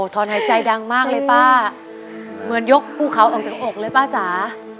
ถอนหายใจดังมากเลยป้าเหมือนยกภูเขาออกจากอกเลยป้าจ๋า